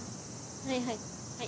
はいはい。